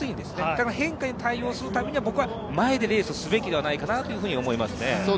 だから変化に対応するには僕は前でレースをすべきではないかなと思います。